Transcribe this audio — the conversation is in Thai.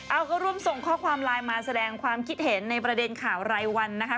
เอาก็ร่วมส่งข้อความไลน์มาแสดงความคิดเห็นในประเด็นข่าวรายวันนะคะ